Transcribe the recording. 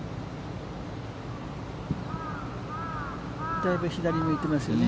だいぶ左向いてますよね。